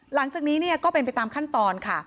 หลังจากนี้ก็เป็นไปตามขั้นตอนค่ะ